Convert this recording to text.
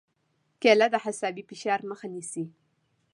کېله د عصبي فشار مخه نیسي.